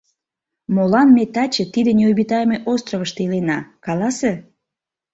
Молан ме таче тиде необитаемый островышто илена, каласе?